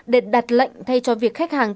để đặt lệnh thay cho việc khách hàng